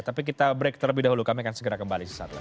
tapi kita break terlebih dahulu kami akan segera kembali sesaat lagi